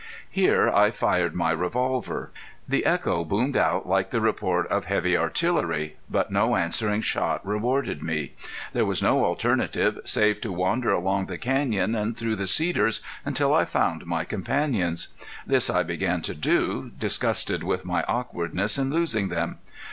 Here I fired my revolver. The echo boomed out like the report of heavy artillery, but no answering shot rewarded me. There was no alternative save to wander along the canyon and through the cedars until I found my companions. This I began to do, disgusted with my awkwardness in losing them.